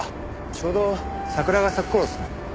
ちょうど桜が咲く頃ですね。